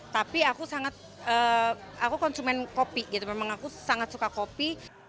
tapi aku sangat aku konsumen kopi gitu memang aku sangat suka kopi